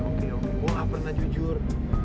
gue gak pernah jujur